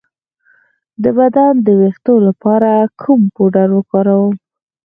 د بدن د ویښتو لپاره کوم پوډر وکاروم؟